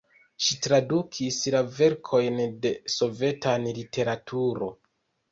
Ŝi tradukis la verkojn de sovetan literaturo.